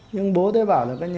nhưng bố tôi bảo là